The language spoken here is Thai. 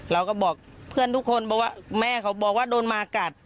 เราก็บอกเพื่อนทุกคนบอกว่าแม่เขาบอกว่าโดนมากัด